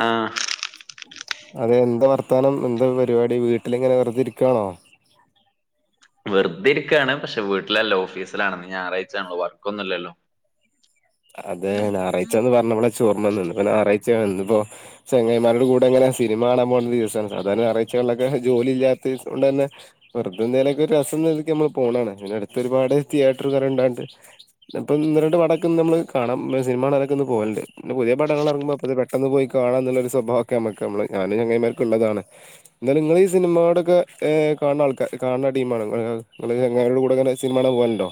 ആഹ് അതെ എന്താ വർത്താനം എന്താ പരിപാടി വീട്ടിലിങ്ങനെ വെറുതെ ഇരിക്കുവാണോ? വെറുതെ ഇരിക്കാണ് പക്ഷെ വീട്ടിലല്ല ഓഫീസിലാണ് ഇന്ന് ഞായറാഴ്ച്ചയാണല്ലൊ വർക്ക് ഒന്നു ഇല്ലല്ലോ അതെ ഞായറാഴ്ച്ചയാന്ന് പറഞ്ഞവടെ ചോറുണ്ണാൻ നിന്ന് പിന്നെ ഞാറാഴ്ച്ചയാ. ഇന്നിപ്പോ ചങ്ങായിമാരുടെ കൂടങ്ങനെ സിനിമ കാണാൻ പോണ ദിവസാണ്. സാധാരണ ഞാറാഴ്ച്ചകളിലൊക്കെ ജോലി ഇല്ലാത്തസ്തോണ്ടന്നെ വെറുതെന്തേലൊക്കെ ഒരു രസെന്ന നിലക്ക് നമ്മള് പോണാണ് പിന്നെ അടുത്ത് ഒരുപാട് തിയേറ്ററ് കാരെണ്ടാണ്ട് ഇന്നിപ്പൊന്ന് രണ്ട് പടോക്കെ ഇന്ന് നമ്മള് കാണാം സിനിമാ കാണാനൊക്കെ ഇന്ന് പോകലിണ്ട്. പിന്നെ പുതിയ പടങ്ങള് എറങ്ങുമ്പോ അപ്പത് പെട്ടെന്ന് പോയി കാണാംന്നുള്ളൊരുസ്വഭാവക്കെ നമുക്ക് നമ്മള് ഞാനും ചങ്ങായിമാർക്കും ഇള്ളതാണ്. എന്നാലും ഇങ്ങളീ സിനിമയോടൊക്കെ ഏഹ് കാണണാൾക്കാ കാണണ ടീമാണ [unintelligible] ഇങ്ങള് ചങ്ങായിടെ കൂടങ്ങനെ സിനിമ കാണാൻ പോകാനിണ്ടോ?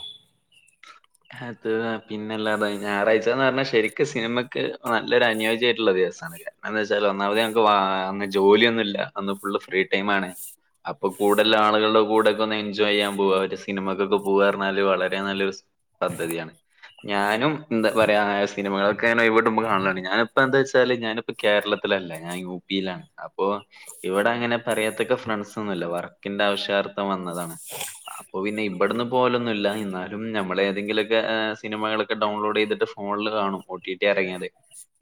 ഹത് പിന്നെല്ലാതെ ഞായറാഴ്ച്ചാന്ന് പറഞ്ഞാ ശരിക്കും സിനിമക്ക് നല്ലൊരു അനുയോജ്യായിട്ടുള്ള ദിവസാണ്. എന്താന്ന് വെച്ചാല് ഒന്നാമത് ഞങ്ങക്ക് വാ അന്ന് ജോലിയൊന്നു ഇല്ല അന്ന് ഫുള്ള് ഫ്രീ ടൈം ആണ്. അപ്പൊ കൂടുതലാളുകളുടെ കൂടെയൊക്കെ ഒന്ന് എൻജോയ് ചെയ്യാൻ പോവാ ഒര് സിനിമക്കൊക്കെ പോവാർന്നറഞ്ഞാല് വളരെ നല്ലൊരു പദ്ധതിയാണ് ഞാനും എന്താ പറയാ സിനിമകളൊ ക്കെ ഇങ്ങന ഒഴിവ് കിട്ടുമ്പ കാണലാണ്. ഞാനിപ്പെന്താച്ചാല് ഞാനിപ്പ കേരളത്തിലല്ല ഞാൻ യു പി യിലാണ് അപ്പൊ ഇവിടെ അങ്ങനെ പറയത്തക്ക ഫ്രണ്ട്സ് ഒന്നു ഇല്ല വർക്കിന്റെ ആവശ്യാർത്ഥം വന്നതാണ്. അപ്പൊ പിന്നെ ഇവിടന്ന് പോവലൊന്നു ഇല്ല എന്നാലും ഞമ്മളെ ന്തെങ്കിലുവൊക്കെ സിനിമകളൊക്കെ ഡൗൺലോഡ് ചെയ്തിട്ട് ഫോണില് കാണും. ഒ ടി ടി എറങ്ങിയത്.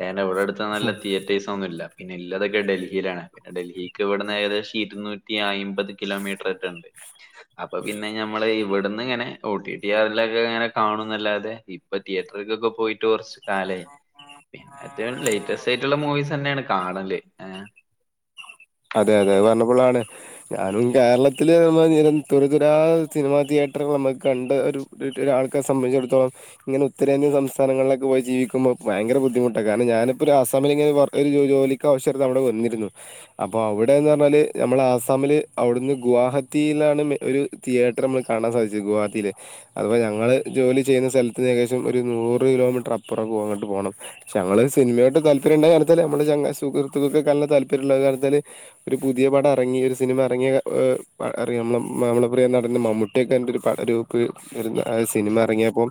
പിന്നെ ഇവിടടുത്ത് നല്ല തിയേറ്റേഴ്സ് ഒന്നുല്ല പിന്നെ ഇല്ലതൊക്കെ ഡൽഹിയിലാണ് ഡൽഹീക്ക് ഇവിടുന്ന് ഏകദേശം ഇരുന്നൂറ്റി അയ്മ്പത് കിലോമീറ്ററേറ്റണ്ട് അപ്പൊ പിന്നെ ഞമ്മള് ഇവിടുന്ന് ഇങ്ങനെ ഒ ടി ടി ആറിലൊക്കെ ഇങ്ങനെ കാണുന്നല്ലാതെ ഇപ്പൊ തിയേറ്റർക്കൊക്കെ പോയിട്ട് കൊർച്ച് കാലേയ് പിന്നേ ഏറ്റവും ലേറ്റസ്റ്റ് ആയിട്ടുള്ള മൂവീസ് തന്നെയാണ്കാ കാണല് ഏ അതേ അതേ പറഞ്ഞപ്പളാണ് ഞാനും കേരളത്തില് മ് [unintelligible] തുരുതുരാ സിനിമാതിയേറ്ററ് [unintelligible] നമ്മള് കണ്ട് ഒരു ഒരാൾക്കാരെ സംബന്ധിച്ചിടത്തോളം ഇങ്ങനെ ഉത്തരേന്ത്യൻ സംസ്ഥാനങ്ങളിലൊക്കെ പോയി ജീവിക്കുമ്പോ ഭയങ്കര ബുദ്ധിമുട്ട കാരണം ഞാനിപ്പൊ ഒരു അസാമില് ഇങ്ങനെ ഒരു വർ ജോലിക്കക്കാവിശ്യാർ അവിടെ വന്നിരുന്നു അപ്പൊ അവിടെന്ന് പറഞ്ഞാല് നമ്മള് ആസാമില് അവിടുന്ന് ഗുവഹാത്തിയിലാണ് മേ ഒരു തിയേറ്ററ് നമ്മള് കാണാൻ സാധിച്ചത് ഗുഹാത്തിയില് അതിപ്പ ഞങ്ങള് ജോലി ചെയ്യുന്ന സ്ഥലത്ത്ന്ന് ഏകദേശം ഒരു നൂറ് കിലോമീറ്റർ അപ്പുറം അങ്ങട്ട് പോണം പക്ഷേ ഞങ്ങള് സിനിമയാട്ട് താല്പര്യണ്ടായ കാരണത്താലേ നമ്മള് ചങ്ങ സുഹൃത്തുക്കൊക്കേ നല്ല താല്പര്യം ഉള്ളകാരണം ത്താല് ഒരു പുതിയ പടം എറങ്ങി ഒരു സിനിമ എറങ്ങിയകാ എ ആ അറിയാം നമ്മ നമ്മളെ പ്രിയ നടൻന്റെ മമ്മൂട്ടിയൊക്കെ എന്റൊരു പട ഒരു ഗ്രൂപ്പ്‌ ആ സിനിമ എറങ്ങിയപ്പോ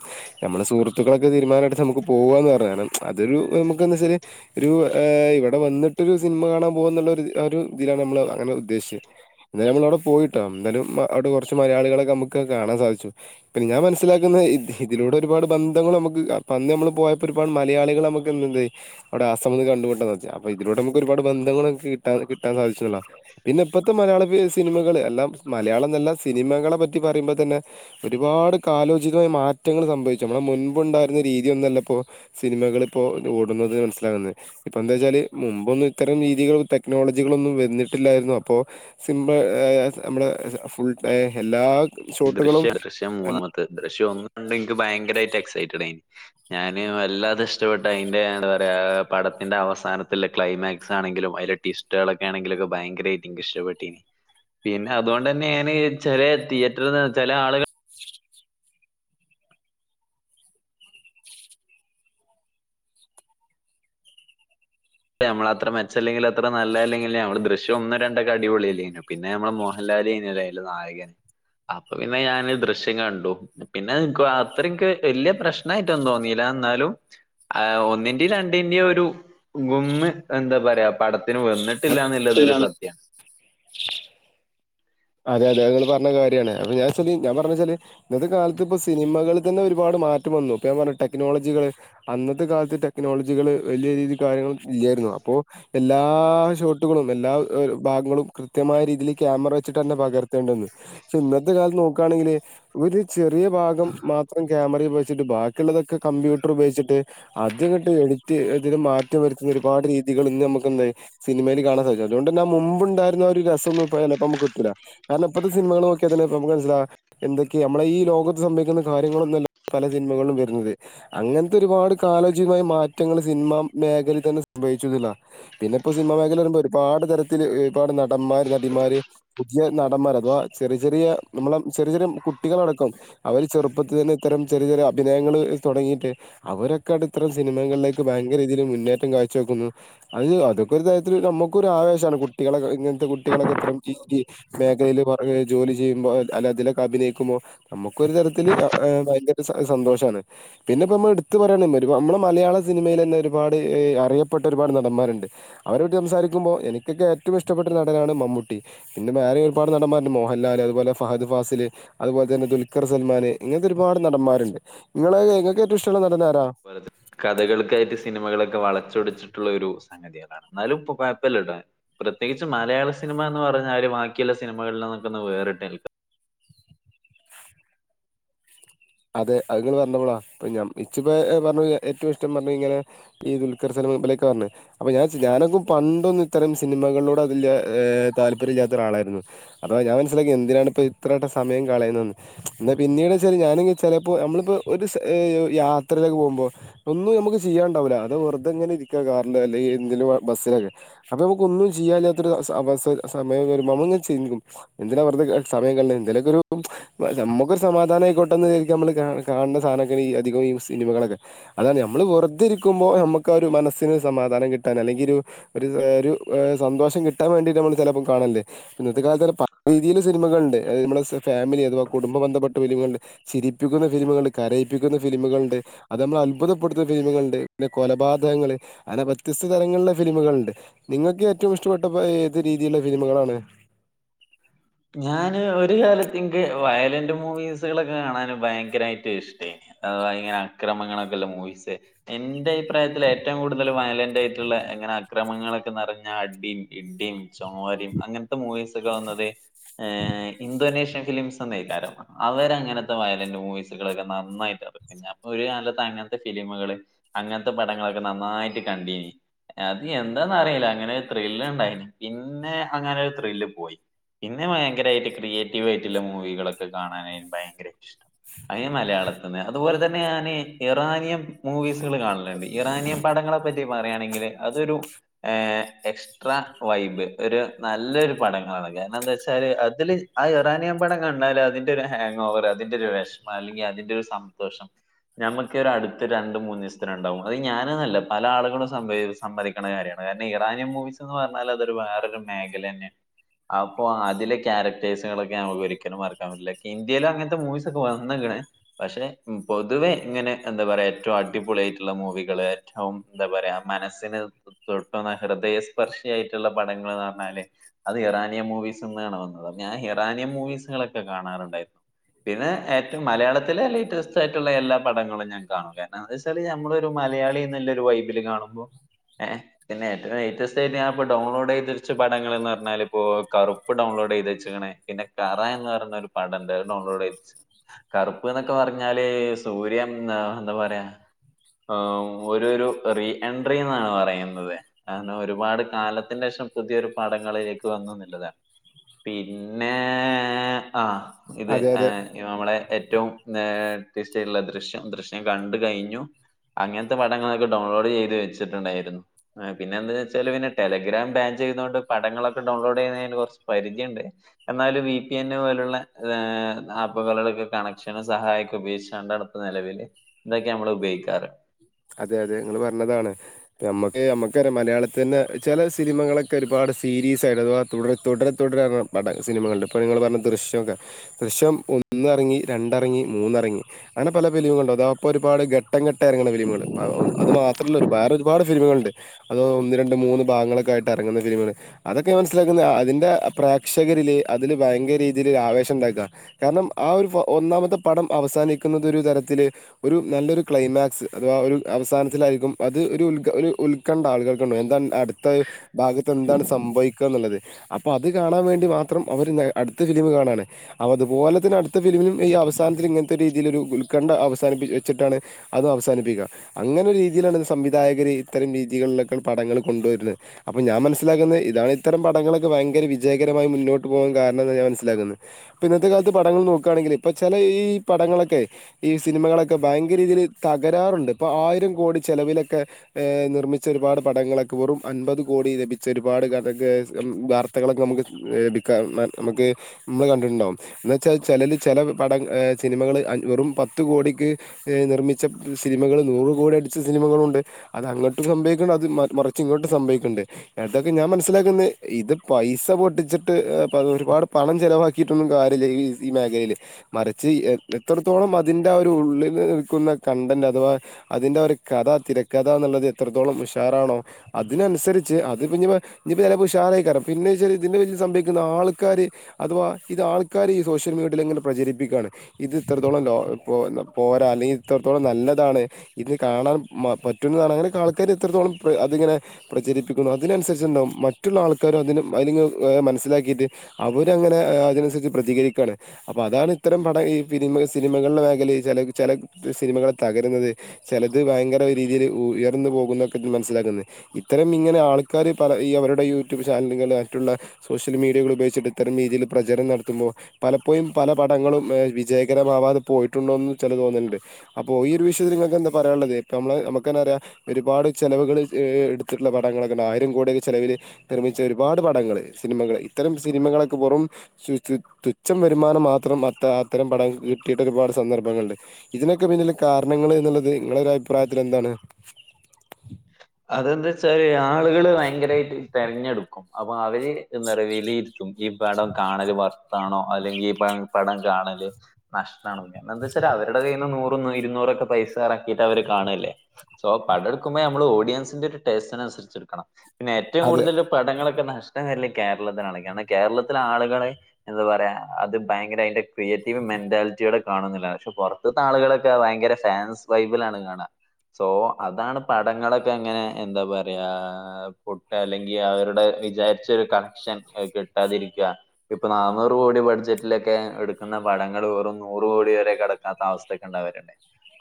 നമ്മള് സുഹൃത്തുക്കളൊക്കെ തീരുമാനം എടുത്ത് നമുക്ക് പോവാന്ന് പറഞ്ഞ് കാരണം അതൊരു നമുക്കന്ന് വെച്ചാല് ഒരു ഏ ഇവടെ വന്നിട്ടൊരു സിനിമ കാണാൻ പോകാ എന്നുള്ളൊരു [unintelligible] ആ ഒരു ഇതിലാണ് നമ്മള് അങ്ങനെ ഉദ്ദേശിച്ചത് എന്നാലും നമ്മളവിടെ പോയിട്ടാ എന്താലും അവിടെ കൊർച്ച് മലയാളികളൊക്കെ നമുക്ക് കാണാൻ സാധിച്ചു പിന്നെ ഞാൻ മനസ്സിലാക്കുന്നത് ഇതിലൂടെ ഒരുപാട് ബന്ധങ്ങള് നമുക്ക് അന്ന് നമ്മള് പോയപ്പോ ഒരുപാട് മലയാളികള് നമുക്ക്ന്ന്ന്ത്‌ അവിടെ ആസമ്ന്ന് കണ്ടുമുട്ടാൻ സാധിച്ച് അപ്പൊ ഇതിലൂടെ നമുക്ക് ഒരു പാട് ബന്ധങ്ങള് കി [unintelligible] കിട്ടാൻ സാധിച്ചൂനുള്ളതാ പിന്നെ ഇപ്പത്തെ മലയാള സിനിമകൾ എല്ലാം മലയാളം എന്നല്ല സിനിമകളെ പറ്റി പറയുമ്പോ തന്നെ ഒരുപാട് കാലോചിതമാറ്റങ്ങള് സംഭവിച്ചു നമ്മളുടെ മുൻപ് ഉണ്ടായിരുന്ന രീതിയൊന്നു അല്ലപ്പോ സിനിമകള് ഇപ്പോ ഓടുന്നത് മനസ്സിലാകുന്നത് ഇപ്പ എന്താ വെച്ചാല് മുമ്പൊന്നും ഇത്തരം രീതികള് തെ ടെക്നോളജികളൊന്നും വന്നിട്ടില്ലായിരുന്നു അപ്പോ സിംപിൾ ഏ നമ്മുടെ ഫുൾ ടൈ എല്ലാ ഷോട്ടുകളും ദൃശ്യ ദൃശ്യം മൂന്നാമത്ത് ദൃശ്യം ഒന്നണ്ട് എനിക്ക് ഭയങ്കരായിട്ട് എക്സൈറ്റഡ് ആയിന് ഞാന് വല്ലാതെ ഇഷ്ടപ്പെട്ട അയിന്റെ എന്താ പറയാ പടത്തിന്റെ അവസാനത്തിലുള്ള ക്ലൈമാക്സാണെങ്കിലും അയ്ലെ ടിസ്റ്റുകളൊക്കെ ആണെങ്കിലും ഒക്കെ ഭയങ്കര റ്റി ഇഷ്ടപ്പെട്ടിനി പിന്നെ അതുകൊണ്ടെന്നേണ് ചെറിയേ തി [unintelligible] ചെലേ ആളുകൾ നമ്മള അത്ര മെച്ചല്ലെങ്കില് അത്ര നല്ലല്ലെങ്കില് നമ്മള് ദൃശ്യം ഒന്ന് രണ്ടൊക്കെ അടിപൊളില്ലേനു പിന്നെ നമ്മളെ മോഹൻല്ലാലേയ്നിലെ നായകൻ അപ്പൊ പിന്നെ ഞാന് ദൃശ്യം കണ്ടു പിന്നെ ൻക്കുവത്രിംക്ക് വല്ല്യ പ്രശ്ന ആയ്ട്ടൊന്നും തോന്നീല്ല ന്നാലും ആ ഒന്നിന്റിം രണ്ടിന്റിം ഒരു ഗുമ്മ് എന്താ പറയാ പടത്തിന് വന്നിട്ട് ട്ടില്ലാന്നുള്ളത് ഒരു സത്യാ അതേ അതേ അത്ങ്ങള് പറഞ്ഞത് കാര്യാണ് അപ്പൊ ഞാൻച്ചാല് പറഞ്ഞ് വെച്ചാല് ഇന്നത്തെ കാലത്ത് ഇപ്പൊ സിനിമകളില്തന്നെ ഒരുപാട് മാറ്റം വന്നു ഇപ്പോ ഞാൻ പറഞ്ഞു ടെക്നോളജികള് അന്നത്തെ കാലത്ത് ടെക്നോളജികള് വലിയ രീതിയിൽ കാര്യങ്ങളൾ ഇല്ലായിരുന്നു അപ്പോ എല്ലാ ഷോട്ടുകളും എല്ലാ ഭാഗങ്ങളും കൃത്യമായ രീതിയിൽ ക്യാമറ വെച്ച് ട്ടന്നെ പകർത്തേണ്ടന്ന് പക്ഷെ ഇന്നത്തെ കാലത്ത് നോക്കുകയാണെങ്കിൽ ഒരു ചെറിയ ഭാഗം മാത്രം ക്യാമറയിൽ ഉപയോഗിച്ചിട്ട് ബാക്കിയുള്ളതൊക്കെ കമ്പ്യൂട്ടർ ഉപയോഗിച്ചിട്ട് അതങ്ങട്ട് എഡിറ്റ് ഇതിന് മാറ്റം വരുത്തുന്ന ഒരുപാട് രീതികൾ ഇന്ന് നമുക്ക് എന്തേ സിനിമയില് കാണാൻ സാധിച്ചു അതുകൊണ്ട് തന്നെ ആ മുമ്പുണ്ടാ രുന്ന ഒരു രസം ഒന്നും നമക്ക് കിട്ടൂല്ല കാരണം ഇപ്പോഴത്തെ സിനിമകള് നോക്കിയാൽ തന്നെ ഇപ്പം നമുക്ക് മനസ്സിലാകും എന്തൊക്കെയ നമ്മടെ ഈ ലോകത്ത് സംഭവിക്കുന്ന കാര്യങ്ങളൊന്നുംല്ല പല സിനിമകളിലും വരുന്നത് അങ്ങനത്തെ ഒരുപാട് കാലോചിതമായ മാറ്റങ്ങൾ സിനിമ മേഖലേൽ തന്നെ സംഭവിച്ചിന്നില്ല പിന്നെ ഇപ്പോ സിനിമ മേഖല വരുമ്പോ ഒരുപാട് തരത്തില് ഒരുപാട് നടന്മാര് നടിമാര് പുതിയ നടന്മാർ അഥവാ ചെറിയ ചെറിയ നമ്മളെ ചെറിയ ചെറിയ കുട്ടികളടക്കം അവര് ചെറുപ്പത്തി തന്നെ ഇത്തരം ചെറിയ ചെറിയ അഭിനയങ്ങൾ തുടങ്ങിയിട്ട് അവരൊക്കെയായിട്ട് ഇത്തരം സിനിമകളിലേക്ക് ഭയര രീതിയിൽ മുന്നേറ്റം കാഴ്ച വെക്കുന്നു അത് അതൊക്കെ ഒരു തരത്തില് നമുക്കും ഒരു ആവേശമാണ് കുട്ടികളൊ ഇങ്ങനത്തെ കുട്ടികളൊക്കെ ഇത്രം ഈ മേഖലയിയില് പറഞ്ഞ് ജോലി ചെയ്യുമ്പോ അല്ലെ അതിലൊക്കെ അഭിനയിക്കുമ്പോ നമുക്കൊരു തരത്തില് ഭയങ്കര സന്തോഷമാണ് പിന്നെപ്പം നമ്മൾ എടുത്തു പറയയാണെങ്ക നമ്മുടെ മലയാള സിനിമയിൽ തന്നെ ഒരുപാട് അറിയപ്പെട്ട ഒരുപാട് നടന്മാരുണ്ട് അവരുമായിട്ട് സംസാരിക്കുമ്പോൾ എനിക്കൊക്കെ ഏറ്റവും ഇഷ്ടപ്പെട്ട നടനാണ് മമ്മൂട്ടി പിന്നെ വേറെയും ഒരുപാട് നടന്മാരുണ്ട് മോഹൻലാൽ അതുപോലെ ഫഹദ് ഫാസിൽ അതുപോലെ തന്നെ ദുൽഖർ സൽമാൻ ഇങ്ങനത്തെ ഒരുപാട് നടന്മാരുണ്ട് നിങ്ങള് നിങ്ങക്ക് ഏറ്റവും ഇഷ്ടമുള്ള ന കഥകൾക്കായിട്ട് സിനിമകളൊക്കെ വളച്ചൊടിച്ചിട്ടുള്ള ഒരു സംഗതി അതാണ് എന്നാലും ഇപ്പൊ കുഴപ്പമില്ല കേട്ടോ പ്രത്യേകിച്ച് മലയാള സിനിമ എന്ന് പറഞാല് ബാക്കിയുള്ള സിനിമകളിൽ നിന്നൊക്കെ വേറിട്ട് നിൽക്കു അതെ അത് നിങ്ങള് പറഞ്ഞിട്ടുള്ളതാ ഇപ്പൊ ഞാൻ ഇച്ചിപ്പോ പറഞ്ഞ ഏറ്റവും ഇഷ്ടം പറഞ്ഞു കഴിഞ്ഞാല് ഈ ദുൽഖർ സിനിമലൊക്കെ വരണേ അപ്പൊ ഞാൻ ഞാനൊക്കും പണ്ടൊന്നും ഇത്തരം സിനിമകളിലൂടെ അതില്ല താല്പര്യം ഇല്ലാത്ത ഒരാളായിരുന്നു അപ്പം ഞാൻ മനസ്സിലാക്കി എന്തിനാണ് ഇപ്പ ഇത്രയൊക്കെ സമയം കളയുന്നതന്ന് എന്ന പിന്നീട് വെച്ചാൽ ഞാന ചിലപ്പോൾ നമ്മളിപ്പോൾ ഒരു യാത്രയിലൊക്കെ പോകുമ്പോൾ ഒന്നും നമുക്ക് ചെയ്യാനുണ്ടാവില്ല അത് വെറുതെ ഇങ്ങനെ ഇരിക്കുക കാറില് അല്ലെങ്കിൽ എന്തെങ്കിലും ബസ്സിലൊക്കെ അപ്പൊ നമുക്ക് ഒന്നും ചെയ്യാനില്ലാത്തൊരു ബസ് സമയം വരുമ്പോൾ നമ്മളിങ്ങനെ ചിന്തിക്കും എന്തിനാ വെുതെ സമയം കളയുന്നത് എന്തേലൊക്കെ ഒരു നമുക്കൊരു സമാധാനമായിക്കോട്ടെന്ന് കരുതി നമ്മള് കാണ കാണുന്ന സാധനൊക്കെയ ഈ അധികം ഈ സിനിമകളൊക്കെ അതാണ് നമ്മള് വെറുതെ ഇരിക്കുമ്പോ നമുക്ക് ഒരു മനസ്സിന് സമാധാനം കിട്ടാൻ അല്ലെങ്കിൽ ഒരു ഒരു സന്തോഷം കിട്ടാൻ വേണ്ടിയിട്ട് നമ്മള് ചിലപ്പോ കാണലുണ്ട് ഇന്നത്തെ കാലത്ത് പല രീതിയിയില് സിനിമകളുണ്ട് അ നമ്മടെ ഫാമിലി അഥവാ കുടുംബ ബന്ധപ്പെട്ട സിനിമയുണ്ട് ചിരിപ്പിക്കുന്ന ഫിലിമുകളുണ്ട് കരയിപ്പിക്കുന്ന ഫിലിമുകളുണ്ട് അത് നമ്മൾ അത്ഭുതപ്പെടുത്തുന്ന ഫിലിമുകളുണ്ട് പിന്നെ കൊലപാതകങ്ങള് അങ്ങനെ വ്യത്യസ്ത തരങ്ങളുള്ള ഫിലിമുകളുണ്ട് നിങ്ങൾക്ക് ഏറ്റവും ഇഷ്ടപ്പെട്ടപ്പോ ഏത് രീതിയിലുള്ള ഫിലിമുകളാണ് ഞാന് ഒരു കാലത്തിക്ക് വയലന്റ് മൂവീസുകളൊക്കെ കാണാന് ഭയങ്കരമായിട്ട് ഇഷ്ടേനു അ ഇങ്ങനെ അക്രമങ്ങളൊക്കെള്ള മൂവീസ് എന്റെ അഭിപ്രായത്തില് ഏറ്റവും കൂടുതൽ വയലന്റ് ആയിട്ടുള്ള ഇങ്ങനെ അക്രമങ്ങളൊക്കെ നിറഞ്ഞാ അ അടിയും, ഇടിയും ചരം അങ്ങനത്തെ മൂവീസ് ഒക്കെ വന്നത് ഏ ഇന്തോനേഷ്യ ഫിലിംസ് ഉണ്ട് കൈതാരം അവര് അങ്ങനത്തെ വയലന്റ് മൂവീസുകളൊക്കെ നന്നായിട്ടിറക്കും ഞ ഒരു കാലത്ത് അങ്ങനത്തെ ഫിലിമുകള് അങ്ങനത്തെ പടങ്ങളൊക്കെ നന്നായിട്ട് കണ്ടീനി അത് എന്താന്ന് അറിയില്ല അങ്ങനെ ഒരു ത്രില്ല് ഉണ്ടായിന് പിന്നെ അങ്ങനെ ഒരു ത്രില്ല് പോയി പിന്നെ ഭയങ്കരമായിട്ട് ക്രിയേറ്റീവ് ആയിട്ടുള്ള മൂവികളൊക്കെ കാണാനായിട്ട് ഭയങ്കര ഇഷ്ടം അതിന് മലയാളത്തി നിന്ന് അതുപോലെ തന്നെ ഞാന് ഇറാനിയം മൂവീസുകൾ കാണുന്നുണ്ട് ഇറാനിയൻ പടങ്ങളെ പറ്റി പറയാണെങ്കിൽ അതൊരു എക്സ്ട്രാ വൈബ് ഒരു നല്ലൊരു പടങ്ങളാണ് കാരണം എന്താ അതില് ആ ഇറാനിയ പടം കണ്ടാല് അതിന്റെ ഒരു ഹാങ് ഓവർ അതിന്റെ ഒരു വിഷമം അല്ലെങ്കിൽ അതിന്റെ ഒരു സന്തോഷം നമുക്ക് ഒരു അടുത്ത് രണ്ടു മൂന്ന് ദിവസത്തിന് ഉണ്ടാവും അത് ഞാനന്നല്ല പല ആളുകളും സമ്മതിക്കണ കാര്യമാണ് കാരണം ഇറാനിയം മൂവിസ് എന്ന് പറഞ്ഞാല് അതൊരു വേറൊരു മേഖല തന്നെ ആണ് ആ അപ്പോ അതിലെ ക്യാരക്ടേഴ്സുകളൊക്കെ നമുക്ക് ഒരിക്കലും മറക്കാൻ പറ്റില്ല ഇന്ത്യൽ അങ്ങനത്തെ മൂവീസ് ഒക്കെ വന്നേക്കണ് പക്ഷെ പൊതുവെ ഇങ്ങനെ എന്താ പറയാ ഏറ്റവും അടിപൊളിയായിട്ടുള്ള മൂവികൾ ഏറ്റവും എന്താ പറയാ മനസ്സിന് തൊട്ടന്ന് ഹൃദയസ്പർശിയായിട്ടുള്ള പടങ്ങളെന്ന് പറഞ്ഞാല് അത് ഇറാനിയം മൂവിസ് വന്നത് ഞാൻ ഇറാനിയം മൂവീസുകളൊക്കെ കാണാറുണ്ടായിരുന്നു പിന്നെ ഏറ്റവും മലയാളത്തിലെ ലേറ്റസ്റ്റ് ആയിട്ടുള്ള എല്ലാ പടങ്ങളും ഞാൻ കാണും കാരണം എന്താന്ന് വെച്ചാല് നമ്മളൊരു ഒരു മലയാളി എന്നുള്ളോരു വൈബിൽ കാണുമ്പോ ഏ പിന്നെ ഏറ്റവും ലേറ്റസ്റ്റ് ആയിട്ട് ഞാനിപ്പോ ഡൗൺലോഡ് ചെയ്ത് വച്ച പടങ്ങൾ എന്ന് പറഞ്ഞാൽ ഇപ്പോ കറു റുപ്പ് ഡൗൺലോഡ് ചെയ്ത് വെച്ചേക്കണേ പിന്നെ കറ എന്ന് പറ ഒരു പടണ്ട് അതും ഡൗൺലോഡ് ചെയ്ത് വച്ചു കറുപ്പ് എന്നൊക്കെ പറഞ്ഞാല് സൂര്യൻ എന്താ പറയാ ഒരു ഒരു റീ എൻട്രി എന്നാണ് പറയുന്നത് അങ്ങനെ ഒരുപാട് കാലത്തിന്റെ ശേഷം പുതിയൊരു പടങ്ങളിലേക്ക് വന്നു എന്നുള്ളതാണ് പിന്നേ ആ ഇത് അതെ അതെ നമ്മളെ ഏറ്റവും ലേറ്റസ്റ്റ് ആയിട്ടുള്ള ദൃശ്യം ദൃശ്യം കണ്ട് കഴിഞ്ഞു അങ്ങനത്തെ പടങ്ങളൊക്കെ ഡൗൺലോഡ് ചെയ്ത് വെച്ചിട്ടുണ്ടായിരുന്നു പിന്നെന്താ വെച്ചാല് പിന്നെ ടെലഗ്രാം ബാൻ ചെയ്ത കൊണ്ട് പടങ്ങളൊക്കെ ഡൗൺലോഡ് ചെയ്യുന്നന് കുറച്ച് പരിധിയുണ്ട് എന്നാലും വി പി എൻ പോലുള്ള ആപ്പുകളുടെയൊക്കെ കണക്ഷനും സഹായവുമൊക്കെ ഉപയോഗിച്ച് കൊണ്ട് അടുത്ത നിലവില് ഇതൊക്കെയാ നമ്മള് ഉപയോഗിക്കാറ് അതെ അതെ നിങ്ങൾ പറഞ്ഞതാണ് നമുക്ക് നമുക്കറിയാം മലയാളത്തിൽ തന്നെ ചില സിനിമകളൊക്കെ ഒരുപാട് സീരീസായിട്ട് അഥവാ തുട തുടരെ തുടരെ പട സിനിമകളുണ്ട് ഇപ്പോൾ നിങ്ങൾ പറഞ്ഞ ദൃശ്യമൊക്കെ ദൃശ്യം ഒന്നിറങ്ങി രണ്ടിറങ്ങി മൂന്നിറങ്ങി അങ്ങനെ പല ഫിലിമുകളുണ്ട് അതാ ഇപ്പോൾ ഒരുപാട് ഘട്ടം ഘട്ടം ഇറങ്ങണ ഫിലിമുകള് അത് മാത്രമല്ല ഒരുപാട് ഒരുപാട് ഫിലിമുകളുണ്ട് അതോ ഒന്ന് രണ്ട് മൂന്ന് ഭാഗങ്ങളൊക്കെ ആയിട്ട് ഇറങ്ങുന്ന ഫിലിമൾ അതൊക്കെ മനസ്സിലാക്കുന്നത് അതിൻ്റെ പ്രേക്ഷകരില് അതിൽ ഭയങ്കര രീതിയില് ആവേശം ഉണ്ടാക്കുക കാരണം ആ ഒരു ഒന്നാമത്തെ പടം അവസാനിക്കുന്നത് ഒരു തരത്തില് ഒരു നല്ലൊരു ക്ലൈമാക്സ് അഥവാ ഒരു അവസാനത്തിലായിരിക്കും അത് ഒരു ഉത് ഒരു ഉത്കണ്ഠ ആൾക്കാർക്കുണ്ടാകും എന്താണ് അടുത്ത ഭാഗത്ത് എന്താണ് സംഭവിക്കുക എന്നുള്ളത് അപ്പം അത് കാണാൻ വേണ്ടി മാത്രം അവര് അടുത്ത ഫിലിമ് കാണാണ് അതുപോലെ തന്നെ അടു ത്ത ഫിലിമിലും ഈ അവസാനത്തില് ഇങ്ങനത്തെ ഒരു ഇതിലൊരു ഉത്കണ്ഠ അവസാനിപ്പിച്ച് വെച്ചിട്ടാണ് അതും അവസാനിപ്പിക്കുക അങ്ങനെ ഒരു രീതിയിലാണ് സംവിധായകര് ഇത്തരം രീതികളിലൊക്കെ പടങ്ങൾ കൊണ്ടുവരുന്നത് അപ്പോൾ ഞാൻ മനസ്സിലാക്കുന്നത് ഇതാണ് ഇത്തരം പടങ്ങളൊക്കെ ഭയങ്കര വിജയകരമായി മുന്നോട്ട് പോകാൻ കാരണം എന്നാണ് ഞാൻ മനസ്സിലാക്കുന്നത് ഇപ്പൾ ഇന്നത്തെ കാലത്ത് പടങ്ങൾ നോക്കുകയാണെങ്കിൽ ഇപ്പൾ ചില ഈ പടങ്ങളൊക്കെ ഈ സിനിമകളൊക്കെ ഭയങ്കര രീതിയിൽ തകരാറുണ്ട് അപ്പോൾ ആയിരം കോടി ചിലവിലൊക്കെ നിർമ്മിച്ച ഒരുപാട് പടങ്ങളൊക്കെ വെറും അൻപത് കോടി ലഭിച്ച ഒരുപാട് കഥ വാർത്തകളൊക്കെ നമുക്ക് ലഭിക്കാം നമുക്ക് നമ്മൾ കണ്ടിട്ടുണ്ടാവും എന്ന് വെച്ചാൽ ചിലത് ചില പട സിനിമകൾ വെറും പത്ത് കോടിക്ക് നിർമ്മിച്ച സിനി മകൾ നൂറ് കോടി അടിച്ച സിനിമകളുണ്ട് അത് അങ്ങോട്ടും സംഭവിക്കണുണ്ട് അത് മറിച്ച് ഇങ്ങോട്ടും സംഭവിക്കുന്നുണ്ട് അതൊക്കെ ഞാൻ മനസ്സിലാക്കുന്നത് ഇത് പൈസ പൊട്ടിച്ചിട്ട് ഒരുപാട് പണം ചെലവാക്കിട്ടൊന്നും കാര്യമില്ല ഈ മേഖലയിയില് മറിച്ച് എത്രത്തോളം അതിന്റെ ആ ഒരു ഉള്ളിൽ നിൽക്കുന്ന കണ്ടന്റ് അഥവാ അതിൻ്റെ ഒരു കഥ തിരക്കഥ എന്നുള്ളത് എത്രത്തോളം ഉഷാറാണോ അതിനനുസരിച്ച് അതിപ്പം ഇനിപ്പോൾ ഇയിപ്പോൾ ചിലപ്പോൾ ഉഷാർ ആയി കാണാം പിന്നെ ഇതിന്റെ പേരിൽ സംഭവിക്കുന്ന ആൾക്കാര് അഥവാ ഇത് ആൾക്കാർ ഈ സോഷ്യൽ മീഡിയയിൽ ഇങ്ങനെ പ്രചരിപ്പിക്കുകയാണ് ഇത് ഇത്രത്തോളം പോരാ അല്ലെങ്കിൽ ഇത്രത്തോളം നല്ല താണ് ഇത് കാണാൻ പറ്റുന്നതാണ് അങ്ങനെ ആൾക്കാർ ഇത്രത്തോളം അതിങ്ങനെ പ്രചരിപ്പിക്കുന്നു അതിനനുസരിച്ചുണ്ടാവും മറ്റുള്ള ആൾക്കാരും അതി അതി മനസ്സിലാക്കിയിട്ട് അവരങ്ങനെ അതിനനുസരിച്ച് പ്രതികരിക്കുകയാണ് അപ്പൾ അതാണ് ഇത്തരം പട ഈിനിമ സിനിമകളുടെ മേഖലയിൽ ചില ചില സിനിമകളെ തകരുന്നത് ചിലത് ഭയങ്കര രീതിയിൽ ഉയർന്നു പോകുന്നൊക്കെ മനസ്സിലാക്കുന്നു ഇത്തരം ഇങ്ങനെ ആൾക്കാര് പല ഈ അവരുടെ യൂട്യൂബ് ചാനലുകൾ മറ്റുള്ള സോഷ്യൽ മീഡിയകൾ ഉപയോഗിച്ചിട്ട് ഇത്തരം രീതിയിൽ പ്രചരണം നടത്തുമ്പോൾ പലപ്പോഴും പല പടങ്ങളും വിജയകരമാവാതെ പോയിട്ടുണ്ടോന്ന് ചില തോന്നലുണ്ട് അപ്പോൾ ഈ ഒരു വിഷയത്തിൽ നിങ്ങക്ക് എന്താ പറയാനുള്ളത് ഇ നമ്മ നമുക്ക് തന്നെ അറിയാം ഒരുപാട് ചിലവുകള് എടുത്തിട്ടുള്ള പടങ്ങളൊക്കെ ആയിരം കോടിയൊക്കെ ചെലവിൽ നിർമ്മിച്ച ഒരുപാട് പടങ്ങള് സിനിമകള് ഇത്തരം സിനിമകളൊക്കെ വെറും തുച്ഛം വരുമാനം മാത്രം അത്ത അത്തരം പടം കിട്ടിയിട്ട് ഒരുപാട് സന്ദർഭങ്ങളുണ്ട് ഇതിനൊ പിന്നില് കാരണങ്ങൾ എന്നുള്ളത് നിങ്ങടെ ഒരു അഭിപ്രായത്തിൽ എന്താണ് അതെന്താ വച്ചാല് ആളുകള് ഭയങ്കരമായിട്ട് തെരഞ്ഞെടുക്കും അപ്പൊ അവര് എന്താ പറ വിലയിരുത്തും ഈ പടം കാണല് വർത്താണോ അല്ലെങ്കിൽ ഈ പടം കാണല് നഷ്ടമാണോ എന്താന്ന് വെച്ചാല് അവരുടെ കയ്യിൽ നിന്ന് നൂറ് ഇരുന്നൂറൊക്കെ പൈസ ഇറക്കിയിട്ട് അവര് കാണുകല്ലേ സോ പടം എടുക്കുമ്പോ നമ്മള് ഓ ഡിയൻസിന്റെ ഒരു ടേസ്റ്റിന് അനുസരിച്ച് എടുക്കണം പിന്ന ഏറ്റവും അതെ കൂടുതല് പടങ്ങളൊക്കെ കൃഷ്ണഹള്ളി കേരളത്തിലാണ് കാരണം കേരളത്തിലെ ആളുകൾ എന്താ പറയാ അത് ഭയങ്കര അതിന്റെ ക്രിയേറ്റീവ് മെന്റാലിറ്റിയൊടെ കാണില്ല പക്ഷെ പുറത്തത്തെ ആളുകളൊക്കെ ഭയങ്കര ഫാൻസ് ബൈബിലാണ് കാണ സോ അതാണ് പടങ്ങളെ അങ്ങനെ എന്താ പറയാ ഫുസ് അല്ലെങ്കിൽ അവരുടെ വിചാരിച്ച ഒരു കണക്ഷൻ കിട്ടാതിരിക്കുക ഇപ്പൊ നന്നൂറ് കോടി ബഡ്ജറ്റിലൊക്കെ എടുക്കുന്ന പടങ്ങൾ വെറും നൂറ് കോടി വരെ കടക്കാത്ത അവസ്ഥയൊക്കെ ഉണ്ടാവരുണ്ട്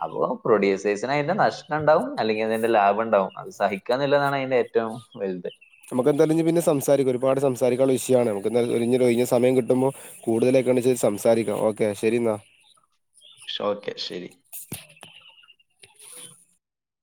അപ്പോ പ്രൊഡ്യൂസേഴ്സിന് അതിന്റെ നഷ്ടം ഉണ്ടാവും അല്ലെങ്കി അതിന്റെ ലാഭം ഉണ്ടാവും അത് സഹിക്കന്നില്ല എന്നാണ് അതിന്റെ ഏറ്റവും വലുത് നമുക്ക് എന്തായാലും ഇ പിന്നെ സംസാരിക്കും ഒരുപാട് സംസാരിക്കാനുള്ള വിഷയമാണ് നമുക്ക് എ ഒഴിഞ്ഞ സമയം കിട്ടുമ്പോൾ കൂടുതലൊക്കാെത് സംസാരിക്കാം ഓക്കെ ശരി എന്നാ ഓക്കെ ശെരി